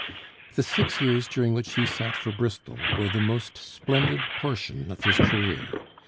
The six years during which he sat for Bristol were the most splendid portion of his career.